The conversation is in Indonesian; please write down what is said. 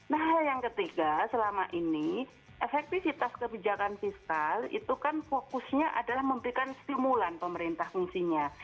nah hal yang ketiga selama ini efektivitas kebijakan fiskal itu kan fokusnya adalah memberikan stimulan pemerintah fungsinya